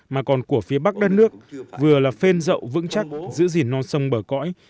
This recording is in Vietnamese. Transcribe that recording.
mà còn của phía bắc đất nước vừa là phên rậu vững chắc giữ gìn non sông bờ cõi